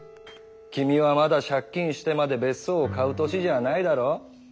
君はまだ借金してまで別荘を買う年じゃあないだろう。